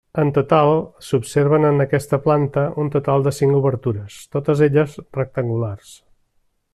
En total s'observen en aquesta planta un total de cinc obertures, totes elles rectangulars.